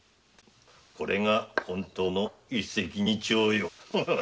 これが本当の一石二鳥よ。